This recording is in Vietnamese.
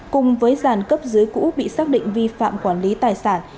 cùng với dàn cấp dưới cũ bị xác định vi phạm quản lý tài sản